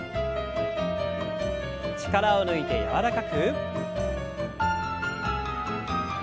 力を抜いて柔らかく。